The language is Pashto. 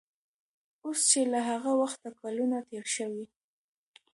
اوس چې له هغه وخته کلونه تېر شوي